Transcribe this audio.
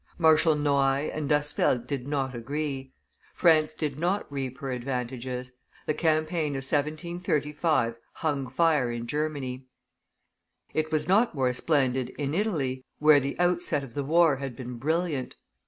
Marshal Noailles and D'Asfeldt did not agree; France did not reap her advantages. The campaign of 1735 hung fire in Germany. It was not more splendid in Italy, where the outset of the war had been brilliant.